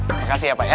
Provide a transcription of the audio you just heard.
makasih ya pak ya